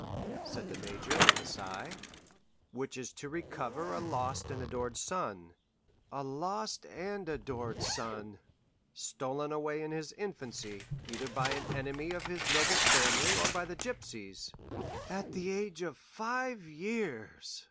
said the major with a sigh. "'Which is to recover a lost and adored son.'" "A lost and adored son!" "'Stolen away in his infancy, either by an enemy of his noble family or by the gypsies.'" "At the age of five years!"